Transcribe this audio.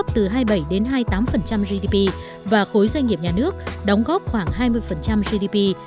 từ hai mươi bảy hai mươi tám gdp và khối doanh nghiệp nhà nước đóng góp khoảng hai mươi gdp